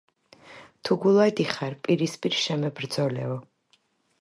თუ გულადი ხარ, პირისპირ შემებრძოლეო